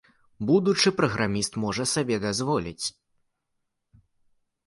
Будучы праграміст можа сабе дазволіць.